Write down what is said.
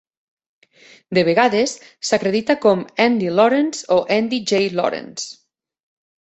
De vegades, s'acredita com Andy Lawrence o Andy J. Lawrence.